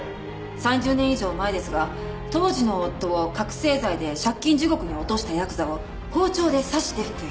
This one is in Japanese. ３０年以上前ですが当時の夫を覚醒剤で借金地獄に落としたヤクザを包丁で刺して服役。